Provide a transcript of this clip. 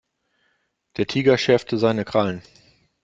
Der Tiger schärfte seine Krallen.